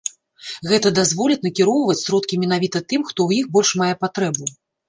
Гэта дазволіць накіроўваць сродкі менавіта тым, хто ў іх больш мае патрэбу.